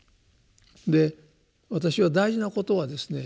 で私は大事なことはですね